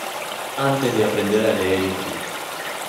Antes de aprender a leer y escribir.